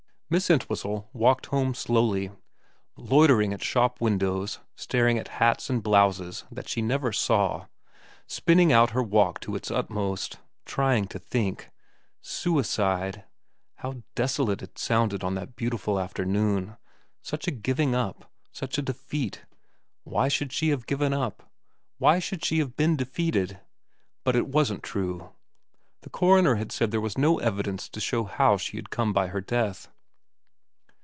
Miss Entwhistle walked home slowly, loitering at shop windows, staring at hats and blouses that she never saw, spinning out her walk to its utmost, trying to think. Suicide. How desolate it sounded on that beautiful afternoon. Such a giving up. Such a defeat. Why should she have given up ? Why should she have been defeated ? But it wasn't true. The coroner had said there was no evidence to show how she came by her death.